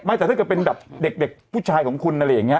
แต่ถ้าเกิดเป็นแบบเด็กผู้ชายของคุณอะไรอย่างนี้